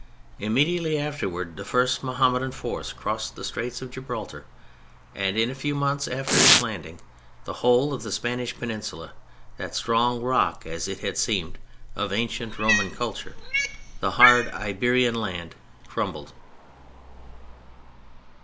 Immediately afterwards the first Mohammedan force crossed the Straits of Gibraltar; and in a few months after its landing the whole of the Spanish Peninsula, that strong Rock as it had seemed of ancient Roman culture, the hard Iberian land, crumbled.